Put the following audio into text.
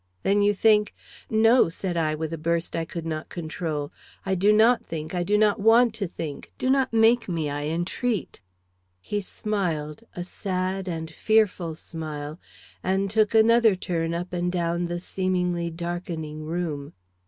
"Then you think " "No," said I, with a burst I could not control, "I do not think; I do not want to think; do not make me, I entreat." He smiled, a sad and fearful smile, and took another turn up and down the seemingly darkening room.